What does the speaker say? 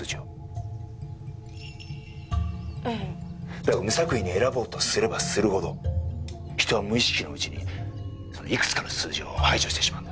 だが無作為に選ぼうとすればするほど人は無意識のうちにいくつかの数字を排除してしまうんだ。